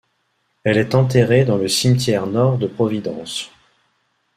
Elle est enterrée dans le cimetière Nord de Providence.